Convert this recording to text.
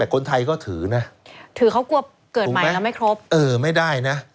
แต่คนไทยก็ถือนะถือเขากลัวเกิดใหม่แล้วไม่ครบเออไม่ได้นะ